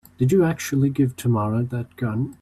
Did you actually give Tamara that gun?